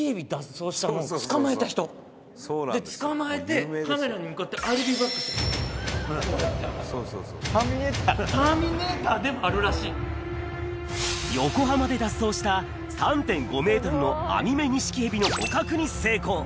で捕まえてカメラに向かってターミネーターでもあるらしい横浜で脱走した３．５ｍのアミメニシキヘビの捕獲に成功